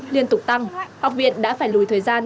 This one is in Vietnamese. liên tục tăng học viện đã phải lùi thời gian